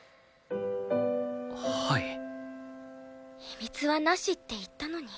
秘密はなしって言ったのに。